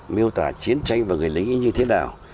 miêu tả chiến tranh và người lính như thế nào